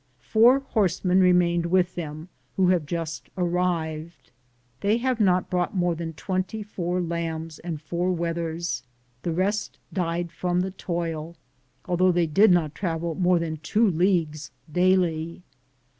Four horsemen remained with them, who have just arrived. They have not brought more than 24 lambs and 4 wethers ; the rest died from the toil, although they did not travel more than two leagues daily.